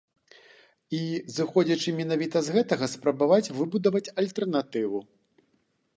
І, зыходзячы менавіта з гэтага, спрабаваць выбудаваць альтэрнатыву.